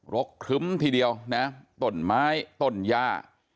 รกครึ้มทีเดียวนะต้นไม้ต้นย่า